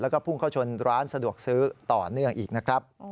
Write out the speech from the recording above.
แล้วก็พุ่งเข้าชนร้านสะดวกซื้อต่อเนื่องอีกนะครับ